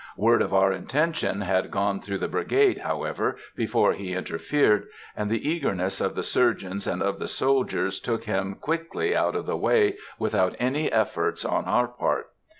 Word of our intention had gone through the brigade, however, before he interfered, and the eagerness of the surgeons and of the soldiers took him very quickly out of the way without any efforts on our part.